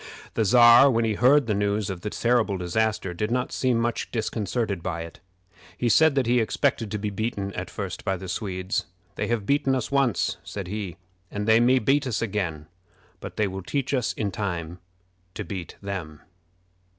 The Czar, when he heard the news of this terrible disaster, did not seem much disconcerted by it. He said that he expected to be beaten at first by the Swedes. "They have beaten us once," said he, "and they may beat us again; but they will teach us in time to beat them."